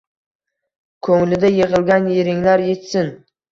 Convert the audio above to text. Ko’nglida yig’ilgan yiringlar yitsin.